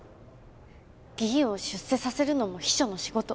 議員を出世させるのも秘書の仕事。